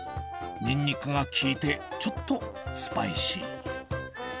ニンニクが効いてちょっとスパイシー。